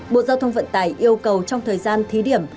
bộ giao thông vận tải yêu cầu trong thời gian thí điểm